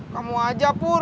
kamu aja pur